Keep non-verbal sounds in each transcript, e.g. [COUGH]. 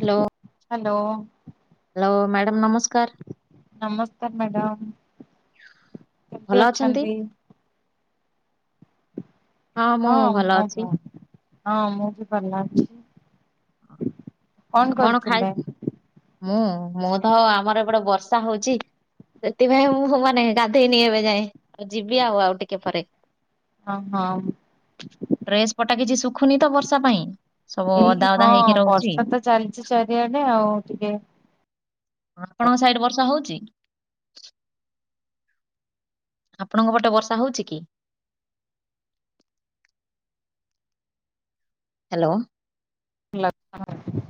Hello hello madam ନମସ୍କାର। ନମସ୍କାର madam କେମତି ଅଛନ୍ତି? ମୁଁ ହଁ ଭଲ ଅଛି। ବହୁତ ଭଲ ହଁ ମୁଁ ବି ଭଲ ଅଛି। ଆଉ କଣ ଖାଇ ମୁଁ ମୁଁ ତ ଆମର ଏ ପଟେ ବର୍ଷା ହଉଛି। ସେଥିପାଇଁ ମୁଁ ମାନେ ଗାଧେଇନି ଏବେ ଯାଏଁ ଆଉ ଯିବି ଆଉ ଟିକେ ପରେ। ଅ ହଁ। ତ୍ରେସ୍ ପଟା କିଛି ଶୁଖୁନି ତ ବର୍ଷା ପାଇଁ ସବୁ ଏଇ ଓଦା ଓଦା ହଁ ହେଇକି ରହୁଛି ବର୍ଷା ତ ଚାଲିଛି ଚାରିଆଡେ ଆଉ ଟିକେ ହଁ ଆପଣଙ୍କ ସାଇଡ ବର୍ଷା ହଉଛି? ଆପଣଙ୍କ ପଟେ ବର୍ଷା ହଉଛି କି? ହ୍ୟାଲୋ। ଲତା ହେ।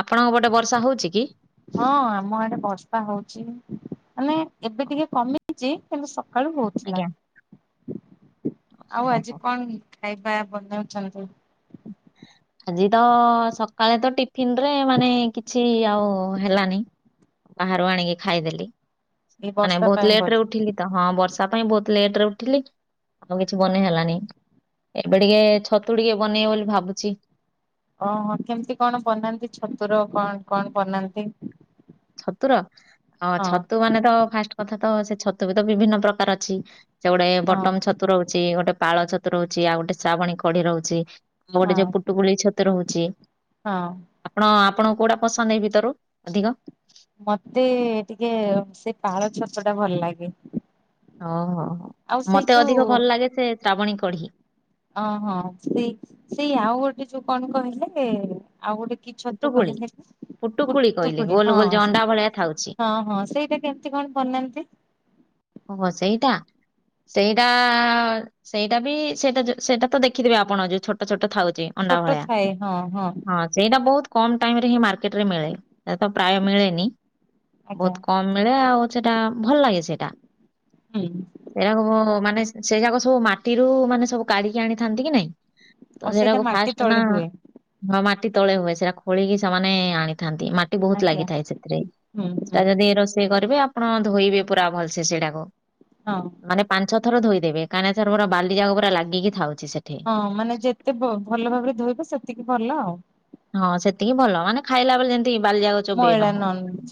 ଆପଣଙ୍କ ପଟେ ବର୍ଷା ହଉଛି କି? ହଁ ଆମ ଆଡେ ବର୍ଷା ହଉଛି ମାନେ ଏବେ ଟିକେ କମି ଚି କିନ୍ତୁ ସକାଳୁ ହଉଥିଲା ଆଜ୍ଞା ଆଉ ହଉ ଆଜି ହଉ କଣ? ଖାଇବା ବନଉଛନ୍ତି? ଆଜି ତ ସକାଳେ ତ ଟିଫିନ ରେ ମାନେ କିଛି ଆଉ ହେଲାନି ବାହାରୁ ଆଣିକି ଖାଇଦେଲି ଏଇ ମାନେ ବର୍ଷା ପାଇଁ ବହୁତ ଲେଟରେ ବୋଧେ? ଉଠିଲି। ତ ହଁ ବର୍ଷା ପାଇଁ ବହୁତ ଲେଟରେ ଉଠିଲି ଆଉ କିଛି ବନେଇ ହେଲନି। ଏବେ ଟିକେ ଛତୁ ଟିକେ ବନେଇ ବୋଲି ଭାବୁଛି। ଓହୋ କେମିତି କଣ ବନାନ୍ତି ଛତୁର କଣ କଣ ବନାନ୍ତି? ଛତୁର ଆ ହଁ ଛତୁ ମାନେ ତ ଫାଷ୍ଟ କଥା ତ ସେ ଛତୁ ବି ତ ବିଭିନ୍ନ ପ୍ରକାର ଅଛି। ସେ ଗୋଟେ ହଁ ବଟମ ଛତୁ ରହୁଛି ଗୋଟେ ପାଳ ଛତୁ ରହୁଛି ଆଉ ଗୋଟେ ଶ୍ରାବଣୀ କଢି ରହୁଛି। ମୋ ଗୋଟେ ହଁ ଝିଅ ପୁଟୁଗୁଳି ଛତର ହହୁଛି। ହଁ। ଆପଣ ଆପଣ କୋଉଟା ପସନ୍ଦ ଏଇ ଗୀତରୁ ଅଧିକ ମତେ ଟିକେ ସେ ପାଳ ଛତୁ ଟା ଭଲ ଲାଗେ। ଓହୋ ହୋ ଆଉ ସେଇ ମତେ ଯୋଉ ଅଧିକ ଭଲ ଲାଗେ ସେ ଶ୍ରାବଣୀ କଢି। ଓହଁ ସେଇ ସେଇ ଆଉ ଗୋଟେ ଯୋଉ କଣ କହିଲେ? ଆଉ ଗୋଟେ କି ଛତୁ ପୁଟୁକୁଳି କହିଲେ କି? ପୁଟୁକୁଳି କହିଲି ପୁତୁକୁଡି ଗୋଲ ହଁ ଗୋଲ ଯୋଉ ଅଣ୍ଡା ଭଳିଆ ଥାଉଛି ହଁ ହଁ ସେଇଟା କେମତି କଣ ବନାନ୍ତି? ଓହୋ ସେଇଟା ସେଇଟା ସେଇଟା ବି ସେଇଟା ଯୋ ସେଇଟା ତ ଦେଖିଥିବେ ଆପଣ ଯୋଉ ଛୋଟ ଛୋଟ ଥାଉଛି। ଅଣ୍ଡା ଛୋଟ ଭଳିଆ ଥାଏ ହଁ ହଁ ସେଇଟା ବହୁତ କମ ଟାଇମ ରେ ହିଁ ମାର୍କେଟ ରେ ମିଳେ ଏତ ପ୍ରାୟ ମିଳେନି ଆଜ୍ଞା ବହୁତ କମ ମିଳେ ଆଉ ସେଟା ଭଲ ଲାଗେ ସେଇଟା। ହୁଁ ଏଡାଗୁ ମାନେ ସେ ଯାକ ସବୁ ମାଟିରୁ ମାନେ ସବୁ କାଢିକି ଆଣିଥାନ୍ତି କି ନାଇଁ। ତ ଆଉ ସେଇଟା ସେଟାକୁ ମାଟି ଫାଷ୍ଟ ନା ତଳେ ହୁଏ ଅ ମାଟି ତଳେ ହୁଏ ସେଡାକୁ ଖୋଳିକି ସେମାନେ ଆଣିଥାନ୍ତି ମାଟ ଟିକେ ବହୁତ ଆଜ୍ଞା ଲାଗିଥାଏ ସେଥିରେ ହୁଁ ହୁଁ ସେଟା ଯଦି ରୋଷେଇ କରିବେ ଆପଣ ଧୋଇବେ ପୁରା ଭଲସେ ସେଇଟାକୁ। ହଁ, ମାନେ ପାଞ୍ଚ ଥର ଧୋଇଦବେ [UNINTELLIGIBLE] କାନେ ସାର୍ ପୁରର ବାଲିଯାକ ପୁରା ଲାଗିକି ଥାଉଛି ସେଠି, ହଁ ମାନେ ଯେତେ ଭ ଭଲ ଭାବରେ ଧୋଇବ ସେତିକି ଭଲ ଆଉ। ହଁ ସେତିକି ଭଲ ମାନେ ଖାଇଲା ବେଳେ ଯେମିତି ବାଲିଯାଗ ଚୋବେଇ ନ ମଇଳା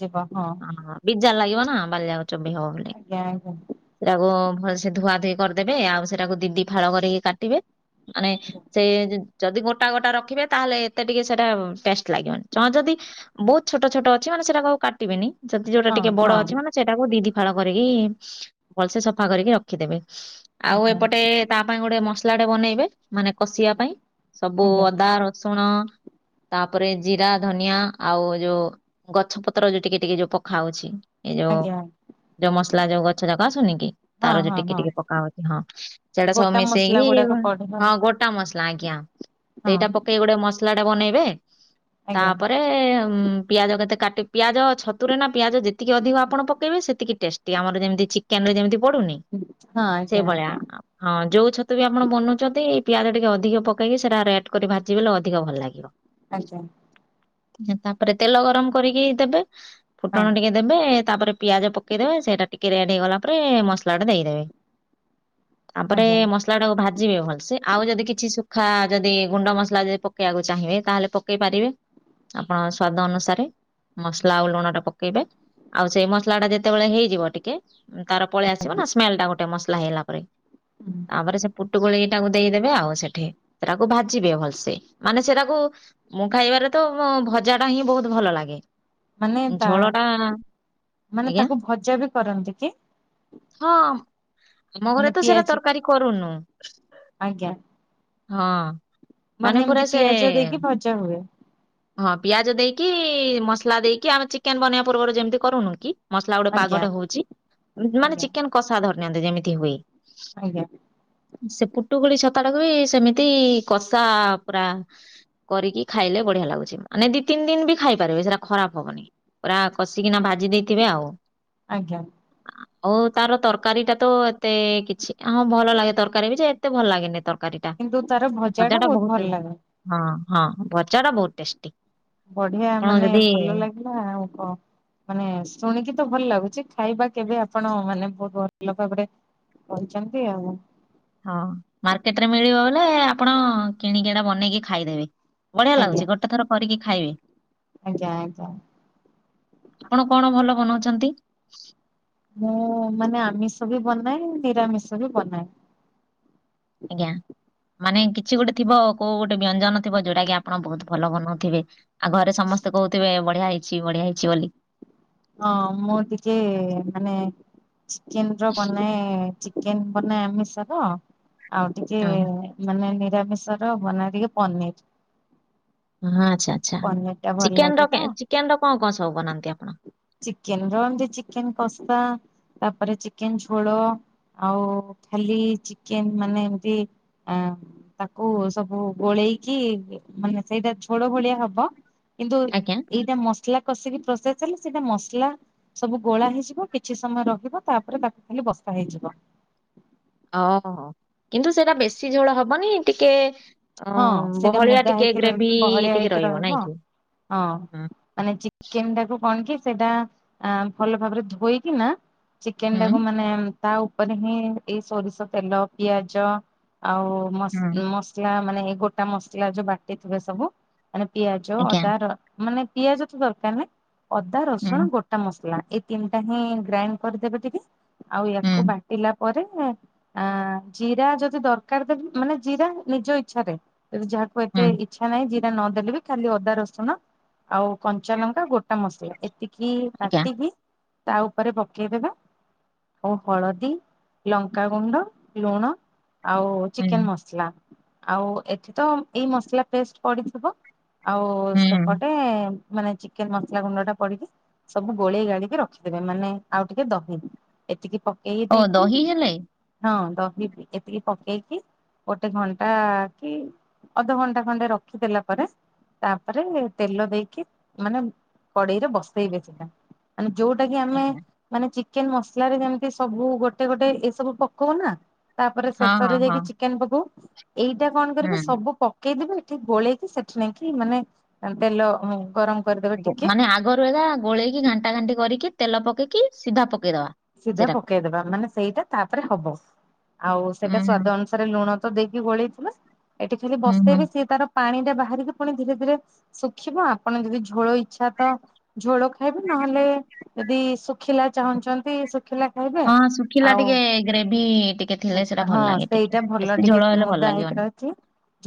ଯିବ ହଁ ହଁହ। ବିଜାର ଲାଗିବ ନା ବାଲିଯାକ ଚୋବେଇ ହବ ବୋଲି। ଆଜ୍ଞା ଆଜ୍ଞା। ସେଟାକୁ ଭଲସେ ଧୁଆ ଧୋଇ କରିଦେବେ ଆଉ ସେଟାକୁ ଦି, ଦି ଫାଳ କରିକି କାଟିବେ। ମାନେ ଆଜ୍ଞା ସେ ଯଦି ଗୋଟା-ଗୋଟା ରଖିବେ ତାହେଲେ ଏତେ ଟିକେ ସେଟା ଟେଷ୍ଟ ଲାଗିବନି ଚଁ ଯଦି ବହୁତ ଛୋଟ-ଛୋଟ ଅଛି ମାନେ ସେଟା ଆଉ କାଟିବେନି। ଯଦି ଯୋଉଟା ହଁ ଟିକେ ବଡ଼ ଅଛି ହଁ ମାନେ ସେଟାକୁ ଦି-ଦି ଫାଳ କରିକି ଭଲସେ ସଫା କରିକି ରଖିଦେବେ ଆଉ ଆଜ୍ଞା ଏପଟେ ତା ପାଇଁ ଗୋଟେ ମସଲାଟେ ବନେଇବେ ମାନେ କଷିବା ପାଇଁ ସବୁ ଆଜ୍ଞା ଅଦା ରସୁଣ ତାପରେ ଜିରା ଧନିଆ ଆଉ ଯୋଉ ଗଛ ପତ୍ର ଯୋଉ ଟିକେ-ଟିକେ ଯୋଉ ପଖାଉଛି। ଆଜ୍ଞା ଯୋଉ ମସଲା ଯୋଉ ଗଛ ଜାଗ ଆସୁନି କି ହଁ ତାର ଯୋଉ ହଁ ଟିକେ- ହଁ ଟିକେ ପକା ହଉଛି ହଁ, ସେଟା ସବୁ ଗୋଟା ମସଲା ମିଶେଇକି ଗୁଡାକ ଉମ୍ ପଡିବ ହଁ ଗୋଟ୍ ଟା ମସଲା ଆଜ୍ଞା ସେଇଟା ପକେଇକ ଗୋଟେ ମସଲା ଟା ବନେଇବେ ଆଜ୍ଞା ତାପରେ ଉଁମ୍ ପିଆଜ କେତେ କାଟି ପିଆଜ ଛତୁରେ ନା ପିଆଜ ଯେତିକି ଅଧିକ ଆପଣ ପକେଇ ବେ ସେତିକି ଟେଷ୍ଟି ଆମର ଯେମିତି ଚିକ୍ କେନେ ଯେମିତି ପଡ଼ୁନି ହଁ ଆଜ୍ଞା ଆଜ୍ଞା ସେଇଭଳିଆ। ହଁ ଯୋଉ ଛତୁ ବି ଆପଣ ବନଉଛନ୍ତି ପିଆଜ ଟିକେ ଅଧିକ ପକେଇକି ସେଟା ରେଏଟ୍ କରି ଭାଜିିବଲ ଅଧ ଅଧିକ ଭଲ ଲାଗିବ। ଆଜ୍ଞା। ହୁଁ ତାପରେ ତେଲ ଗରମ କରିକି ଦେବେ ଫୁଟଣ ହଁ ଟିକେ ଦେବେ ତାପରେ ପିଆଜ ପକେଇଦେବେ ସେଇଟା ଟିକେ ରେଡ ହେଇଗଲା ପରେ ମସଲା ଟା ଦେଇଦେବେ। ତାପରେ ଆଜ୍ଞା ମସଲା ଟାକୁ ଭାଜିବେ ଭଲସେ ଆଉ ଯଦି କିଛି ଶୁଖା ଯଦି ଗୁଣ୍ଡ ମସଲା ଯଦି ପ ପକେଇବାକୁ ଚାହିଁବେ ତାହେଲେ ପକେଇ ପାରିବେ ଆପଣ ସ୍ୱାଦ ଅନୁସାରେ ମସଲା ଆଉ ଲୁଣଟା ପ ପକେଇବେ ଆଉ ସେଇ ମସଲା ଟା ଯେତେବେଳେ ହେଇଯିବ ଟିକେ ଉଁ କାର ପଳେଇ ଆସିବ ଆଜ୍ଞା ନା ସ୍ମେଲ ଟା ଗୋଟେ ମସଲା ହେଇଲା ପରେ ତାପରେ ସେ ପୁଟୁଗୋଳି ସେଟାକୁ ଦେଇଦେବେ ଆଉ ସେଠି, ସେଟାକୁ ଭାଜିବେ ଭଲ୍ ସେ। ମାନେ ସେଟାକୁ ମୁଁ ଖାଇବାରେ ତଁ ମୋ ଭଜା ଟା ହିଁ ବହୁତ ଭଲ ଲାଗେ। ମାନେ ତା ଝଳ ଟାଁ ମାନେ ତାକୁ ଭଜା ବି କରନ୍ତି କି? ହଁ, ଆମ ଘରେ ମାନେ ତ ସେଟା ପିଆଜ ତରକାରୀ କରୁନୁ। ଆଜ୍ଞା ହଁ। ମାନେ ପୁରା ଏମିତି ସେ ପିଆଜ ଦେଇକି ଭଜା ହୁଏ, ହଁ, ପିଆଜ ଦେଇକି, ମସଲା ଦେଇକି, ଆମେ ଚିକେନ୍ ବନେଇବା ପୂର୍ବରୁ ଯେମିତି କରୁନୁ କି ମସଲା ଆଉ ଗୋଟେ ଆଜ୍ଞା ପାଗଟେ ହଉଛି। ଉଁ ମାନେ ଆଜ୍ଞା ଚିକେନ୍ କଷା ଧରି ନିଅନ୍ତୁ, ଯେମିତି ହୁଏ। ଆଜ୍ଞା। ସେ ପୁଟୁଗୁଳି ଛତାଟାକୁ ବି ସେମିତି କଷା ପୁରା କରିକି ଖାଇଲେ ବଢ଼ିଆ ଲାଗୁଛି। ମାନେ ଦି ତିନି ଦିନ୍ ବି ଖାଇପାରିବେ, ସେଟା ଖରାପ ହବନି। ପୁରା କଷିକିନା ଭାଜି ଦେଇଥିବେ ଆଉ। ଆଜ୍ଞା। ହଉ ତାର ତରକାରୀ ଟା ତୋ ଏତେ କିଛି, ହଁ ଭଲ ଲାଗେ, ତରକାରୀ ବି ଯେ ଏତେ ଭଲ ଲାଗେନି ତର୍ କାରୀଟା, କିନ୍ତୁ ତାର ଭଜା ଟା ଭଜାଟା ବହୁତ ବହୁତ୍ ଭଲ ଲାଗେ ହଁ, ହଁ ଭଜାଟା ବହୁତ୍ ଟେଷ୍ଟି। ବଢ଼ିଆ ଆପଣ ମାନେ ଯଦି ଭଲ ଲାଗିଲା। ଆଉ କହ? ମାନେ ଶୁଣିକି ତ ଭଲ ଲାଗୁଛି, ଖାଇବା କେବେ ଆପଣ ମାନେ ବହୁତ ଭଲ ଭାବରେ କରଛନ୍ତି ଆଉ। ହଁ, ମାର୍କେଟ ରେ ମିଳିବ ବଇଲେ ଆପଣ କିଣିକି ଏଟା ବନେଇକି ଖାଇଦେବେ। ବଢିଆ ଆଜ୍ଞା ଲାଗୁଛି। ଗୋଟେ ଥର କରିକି ଖାଇବେ। ଆଜ୍ଞା ଆଜ୍ଞା ଆପଣ କଣ ଭଲ ବନଉଛନ୍ତି? ମୁଁ, ମାନେ ଆମିଷ ବି ବନାଏ, ନିରାମିଷ ବି ବନାଏ। ଆଜ୍ଞା। ମାନେ କିଛି ଗୋଟେ ଥିବ, କୋଉ ଗୋଟେ ବ୍ୟଞ୍ଜନ ଥିବ, ଯୋଉଟା କି ଆପଣ ବହୁତ ଭଲ ବନଉ ଥିବେ? ଆଉ ଘରେ ସମସ୍ତେ କହୁଥିବେ, ବଢିଆ ହେଇଛି, ବଢିଆ ହେଇଛି ବୋଲି। ହଁ, ମୁଁ ଟିକେ ମାନେ ଚିକେନ୍ ର ବନାଏ, ଚିକ୍ ଚିକେନ୍ ବନାଏ ଆମିଷ ର, ଆଉ ଟିକେ ହଁ ମାନେ ନିରାମିଷ ର ବନାଏ ଟିକେ ପନିର୍। ହଁ, ଆଚ୍ଛା ଆଚ୍ଛା, ପନିର ଟା ଭଲ ଚିକେନ୍ ଲାଗେ ର ତ ଚିକେନ୍ ର କଣ କଣ ସବୁ ବନାନ୍ତି ଆପଣ? ଚିକେନ୍ ର ଏମତି ଚିକେନ୍ କଷା, ତା'ପରେ ଚିକେନ୍ ଝୋଳ। ଆଉ, ଖାଲି ଚିକେନ୍ ମାନେ ଏମତି ଆଁ ତାକୁ, ସବୁ ଗୋଳେଇକି ମାନେ ସେଇଟା ଝୋଳ ଭଳିଆ ହବ। କିନ୍ତୁ, ଆଜ୍ଞା। ଏଇଟା ମସଲା କଷିକି ପ୍ରୋସେସ୍ ହେଲେ ସେଇଟା ମସଲା ସବୁ ଗୋଳା ହେଇଯିବ। କିଛି ସମୟ ରହିବ, ତାପରେ ତାକୁ ଖାଲି ବସା ହେଇଯିବ। ଓହ! କିନ୍ତୁ ସେଇଟା ବେଶୀ ଝୋଳ ହବନି ଟିକେ ଅ ହଁ ସେଇଟା ବହଳିଆ ମୁଦା ଟିକେ, ହେଇକି ରହିବ ଗ୍ରେଭି ବହଳିଆ ଟିକେ ହେଇକି ରହିବ ନାଇଁ କିଁ? ହଁ ହୁଁ ମାନେ ଚିକେନ୍ ଟାକୁ କଣ କି, ସେଇଟା ଭଲ ଭାବରେ ଧୋଇକି ନା ଚିକେନ୍ ଟା କୁ ହୁଁ ମାନେ, ତା ଉପରେ ହିଁ ଏଇ ସୋରିଷ ତେଲ, ପିଆଜ, ଆଉ ମସ୍-ମସଲା ମାନେ, ଏଇ ଗୋଟା ମସଲା ଯୋଉ ବାଟିଥିବେ ସବୁ, ମାନେ ପିଆଜ ଆଜ୍ଞା ଅଦା ର ମାନେ ପିଆଜ ତ ଦରକାର ନାଇଁ। ଅଦା, ରସୁଣ, ଗୋଟ୍ ଟା ମସଲା, ଏଇ ତିନିଟା ହିଁ ଗ୍ରାଇଣ୍ଡ୍ କରିଦେବେ ଟିକେ। ଆଉ ୟାକୁ ବାଟିଲା ପରେ ଆଁ ଜିରା ଯଦି ଦରକାର ଦେବେ ମାନେ, ଜିରା ନିଜ ଇଚ୍ଛାରେ ଯାହାକୁ ଏତେ ଇଚ୍ଛା ନାହିଁ, ଜି ଏ ନଦେଲେ ବି ଖାଲି ଅଦା ରସୁଣ ଆଉ କଞ୍ଚା ଲଙ୍କା ଗୋଟା ମସଲା ଏତି କି ଆଜ୍ଞା, ବାଟିକି ତା ଉପରେ ପକେଇ ଦେବେ। ଓ ହଳଦୀ ଲଙ୍କାଗୁଣ୍ଡ ଲୁଣ ଆଉ ଚିକେନ୍ ମସ୍ଲା। ଆଉ ଏଠି ତ ଏଇ ମସ୍ଲା ପେଷ୍ଟ ପଡିଥିବ ଆଉ ସେପଟେ ଏଁ ମାନେ ଚିକେନ୍ ମସ୍ଲା ଗୁଣ୍ଡ ଟା ପଡିକି ସବୁ ଗୋଳେଇ ଗାଳିକି ରଖିଦେବେ ମାନେ ଆଉ ଟିକେ ଦ‌ହି ଏତିକି ପ କେଇ ଓ ଦେଇକି ଦହି ହେଲେ, ହଁ ଦହି ଏତିକି ପକେଇକି ଗୋଟେ ଘଣ୍ଟ୍ ଟା କି ଅଧଘଣ୍ଟା ଖଣ୍ଡେ ରଖିଦେଲା ପରେ ତାପରେ ତେଲ ଦେଇକି ମାନେ କଡେଇରେ ବସେଇବେ ସେଟା। ମାନେ ଯୋଉଟା କି ଆମେ ଆଜ୍ଞା, ମାନେ ଚିକେନ୍ ମସ୍ଲାରେ ଯେମିତି ସବୁ ଗୋଟେ ଗୋଟେ ଏ ସବୁ ପକୋଉ ନା ତାପରେ ହଁ, ଶେଷରେ ହଁ, ଯାଇକି ହଁ, ଚିକେନ୍ ପକଉ ଏଇଟା କଣ କରିବୁ ହୁଁ, ଆଜ୍ଞା. ସବୁ ପ ପକେଇଦେବେ ଏଠି ଗୋଳେଇକି ସେଠି ନେଇକି ମାନେ ତେଲ ହୁଁ। ଆ [UNINTELLIGIBLE] ମାନେ ଆଗରୁ ଏକା ଗୋଳେଇକି ଘାଣ୍ଟା ଘାଣ୍ଟି କରିକି ତେଲ ପକେଇକି ସିଧା ପକେଇଦବା। ସିଧା ସେଟାକୁ, ପକେଇଦବା ମାନେ ସେଇଟା ତାପରେ ହବ ଆଉ ସେଇଟା ସ୍ଵାଦ ହୁଁ, ଅନୁସ୍ ତାରେ ଲୁଣ ତ ଦେଇକି ଗୋଳେଇ ଥିବା ଏଠି ଖାଲି ହୁଁ, ହୁଁ, ବସେଇବେ ସିଏ ତାର ପାଣି ଟା ବାହାରିକି ପୁଣି ଧୀରେ ଧୀରେ ଶୁଖିବ ଆପଣ ଯଦି ଝୋଳ ଇଚ୍ଛା ତ ଝୋଳ ଖାଇବେ ନହେଲେ ଯଦି ଶୁ ଖିଲା ଚାହୁଁଛନ୍ତି ଶୁଖିଲା ଖାଇବେ। ହଁ, ଶୁଖିଲା ଆଉ ଟିକେ ଗ୍ରେଭି ଟିକେ ଥିଲେ ସେଟା ଭଲ ହଁ ସ୍ ଲାଗେ ଟିକେ, ସେଇଟା ଭଲ ବେଶୀ ଟିକେ ଝୋଳ ହେଲେ ଭଲ ମୁଦା ହେଇକି ଲାଗିବନି, ରହିଚି।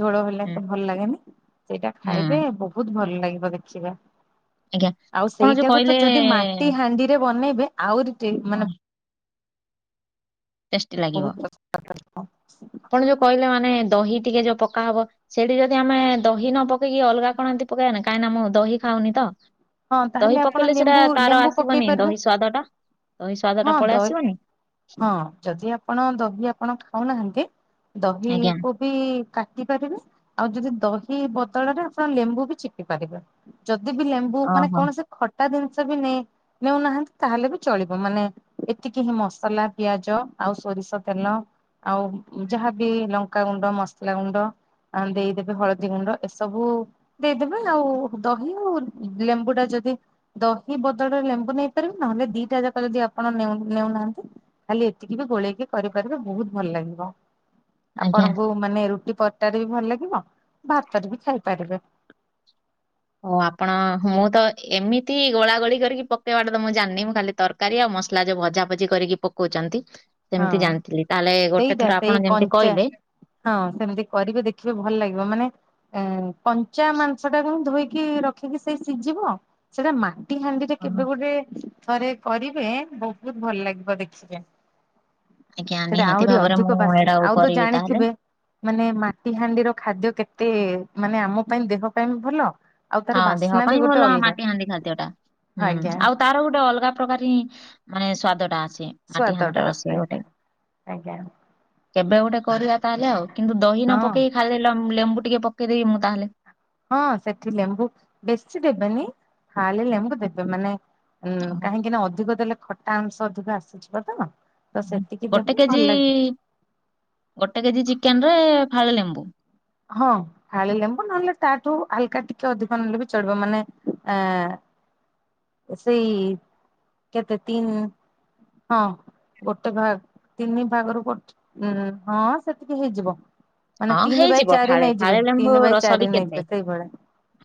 ଝୋଳ ହେଲେ ହୁଁ, ତ ଭଲ ଲାଗେନି ସେଇଟା ହୁଁ, ଖାଇବେ ବହୁତ୍ ଭଲ ଲାଗିବ ଦେଖିବେ। ଆଜ୍ଞା, ଆଉ ଆପଣ ଯୋଉ ସେଇଟାକୁ ତ କହିଲେ, ଯଦି ମାଟି ହାଣ୍ଡିରେ ବନେଇବେ ଆଉରି ଟେ ହଁ, ମାନେ ଟେଷ୍ଟି ଲାଗିବ। ବହୁତ ପସନ୍ଦ। ଆପଣ ଯୋଉ କଇଲେ ମାନେ ଦହି ଟିକେ ଯୋଉ ପକା ହବ ସେଠି ଯଦି ଆମେ ଦହି ନ ପକେଇକି ଅଲଗା କଣ ଏନ୍ତି ପକେଇବା କାହିଁକିନା ମୁଁ ଦହି ଖାଉନି ତ। ହଁ ତାହେଲେ ଦହି ଆପଣ ପକେଇଲେ ସେଟା ଲେମ୍ବୁ ତାର ଲେମ୍ବୁ ପକେଇ ଆସିବନି ପାରିବେ ଦହି ସ୍ୱାଦ ଟା ଦହି ସ୍ୱାଦ ହଁ ଟା ପଳେଇ ଦହି ଆସିବନି? ହଁ ଯଦି ଆପଣ ଦହି ଆପଣ ଖାଉନାହାନ୍ତି ଆଜ୍ଞା। ଦହିକୁ ବି କାଟି ପାରିବେ ଆଉ ଯଦି ଦହି ବଦଳରେ ଆପଣ ଲେମ୍ବୁ ବି ଚିପି ପାରିବେ। ଯଦି ବି ଲେମ୍ବୁ ମାନେ ଓହୋ। କୌଣସି ଖଟା ଜିନିଷ ବି ନେ ନଉନାହାନ୍ତି ତାହେଲେ ବି ଚଳିବ ମାନେ ଏତିକି ହିଁ ମସଲା ପିଆଜ ଆଉ ସୋରିଷ ତେଲ ଆଉ ଯାହାବି ଲଙ୍କାଗୁଣ୍ଡ ମସ୍ଲା ଗୁଣ୍ଡ ଅଁ ଦେଇଦେବେ ହଳଦୀ ଗୁଣ୍ଡ ଏସବୁ ଦେଇଦେବେ ଆଉ ଦହି ଆଉ ଲେମ୍ବୁ ଟା ଯଦି ଦହି ବଦଳେ ଲେମ୍ବୁ ନେଇପାରିବେ ନହେଲେ ଦିଟା ଯାକ ଯଦି ଆପଣ ନେଉ ନେଉନାହାନ୍ତି ଖାଲି ଏତିକି ବି ଗୋଳେଇକି କରିପାରିବେ ବହୁତ୍ ଭଲ୍ ଲାଗିବ। ଆଜ୍ଞା ଆପଣଙ୍କୁ ମାନେ ରୁଟି ପର୍ଟାରେ ବି ଭଲ ଲାଗିବ ଭାତରେ ବି ଖାଇପାରିବେ। ଓ ଆପଣ ମୁଁ ତ ଏମିତି ଗୋଳା ଗୋଳି କରିକି ପକେଇବାଟେ ତ ମୁଁ ଜାଣିନି ମୁଁ ଖାଲି ତର୍ କାରୀ ଆଉ ମସ୍ଲା ଯୋଉ ଭଜା ଭଜି କରିକି ପକଉଚନ୍ତି ହଁ ସେମ୍ତି ଜାଣିଥିଲି ତାହେଲେ ଗୋଟେ ସେଇଟା ଥର ସେଇ ଆପଣ ଯେମିତି କଞ୍ଚା କଇଲେ ହଁ ସେମିତି କରିବେ ଦେଖିବେ ଭଲ ଲାଗିବ ମାନେ ଏଁ କଞ୍ଚା ମାଂସ ଟାକୁ ଧୋଇକି ରଖିକି ସେଇ ସିଝିବ ସେଇଟା ମା ଟି ହାଣ୍ଡିରେ କେବେ ଗୋଟେ ଥରେ କରିବେ ବହୁତ୍ ଭଲ ଲାଗିବ ଦେଖିବେ। ଆଜ୍ଞା ସେଟା ନିହାତି ଆହୁରି ଭାବରେ ଅଧିକ ମୁଁ ବାସ୍ ଏଇଟାକୁ ଆଉ ତ କରିବି ତାହେଲେ ଜାଣିଥିବେ ମାନେ ମାଟି ହାଣ୍ଡିର ଖାଦ୍ୟ କେତେ ମାନେ ଆମ ପାଇଁ ଦେହ ପାଇଁ ଭଲ। ଆଉ ତାର ହଁ ଦେହ ବାସ୍ନା ବି ପାଇଁ ଗୋଟେ ଭଲ ଅଲଗା ମାଟି ହାଣ୍ଡି ଖାଦ୍ୟଟା। ହୁଁ ଆଜ୍ଞା। ଆଉ ତାର ଗୋଟେ ଅଲଗା ପ୍ରକାର ହିଁ ମାନେ ସ୍ବାଦ ଟା ଆସେ ମାଟି ହାଣ୍ଡି ସ୍ଵାଦଟା ର ଆସେ ରୋଷେଇ ଗୋଟେ। ଆଜ୍ଞା କେବେ ଗୋଟେ କରିବା ତାହେଲେ ଆଉ କିନ୍ତୁ ଦହି ନ ହଁ ପକେଇକ ଖାଲି ଲେମ୍ ଲେମ୍ବୁ ଟିକେ ପକେଇଦେବି ମୁଁ ତାହାଲେ। ହଁ ସେଠି ଲେମ୍ବୁ ବେଶୀ ଦେବେନି ଖାଲି ଲେମ୍ବୁ ଦେବେ ମାନେ ଉଁ ଓହୋ। କାହିଁକି ନା ଅଧିକ ଦେଲେ ଖଟା ଅଂଶ ଅଧିକ ଆସିଯିବ ତ। ତ ସେତିକି ଗୋଟେ ଦେବୁ ଭଲ କେଜି ଲାଗିବ ଗୋଟେ କେଜି ଚିକେନରେ ଫାଳ ଲେମ୍ବୁ। ହଁ। ଫାଳେ ଲେମ୍ବୁ ନହେଲେ ତାଠୁ ହାଲକା ଟିକେ ଅଧିକ ନେଲେ ବି ଚଳିବ ମାନେ ଏଁ ସେଇ କେତେ ତିନ୍ ହଁ। ଗୋଟେ ଭାଗ ତିନି ଭାଗରୁ ଗୋ ହଁ ସେତିକି ହେଇଯିବ। ମାନେ ହଁ ତିନି ବାଇ ହେଇଯିବ ଚାରି ଫାଳେ ନେଇଯିବେ ଫାଳେ ଲେମ୍ବୁ ତିନି ବାଇ ରସ ଚାରି ବି ନେଇଯିବେ କେତେ। ସେଇଭଳିଆ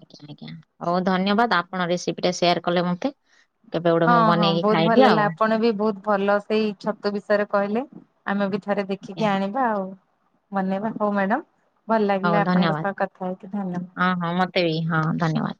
ଆଜ୍ଞା ହଉ ଧନ୍ୟବାଦ ଆପଣ ରେସିପି ଟା ସେୟାର କଲେ ମୋତେ। ହଁ ହଁ ବହୁତ ଭଲ ଲା ଆପଣ ବି ବହୁତ ଭଲ ସେଇ ଛତୁ ବିଷୟରେ କହିଲେ। ଆମେ ବି ଥରେ ଆଜ୍ଞା ଦେଖିକି ଆଣିବା ଆଉ। ଧନ୍ୟବାଦ ହଉ ମ୍ୟାଡାମ ଭଲ ହଉ ଲାଗିଲା ଆପଣଙ୍କ ଧନ୍ୟବାଦ। ସହ କଥା ହେଇକି ଧନ୍ୟବାଦ। ହଁ ହଁ ମୋତେ ବି ହଁ ଧନ୍ୟବାଦ।